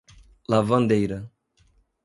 Lavandeira